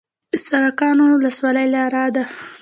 د سرکانو ولسوالۍ لاره ده